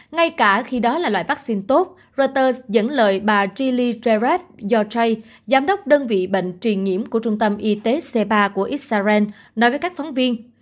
ngay cả khi đó là loại vắc xin tốt reuters dẫn lời bà jilly jaref yorjai giám đốc đơn vị bệnh truyền nhiễm của trung tâm y tế c ba của israel nói với các phóng viên